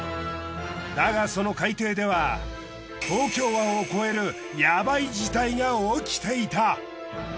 だがその海底では東京湾を超えるヤバい事態が起きていた。